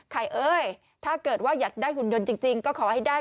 เอ้ยถ้าเกิดว่าอยากได้หุ่นยนต์จริงก็ขอให้ได้